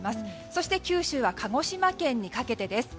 そして九州は鹿児島県にかけてです。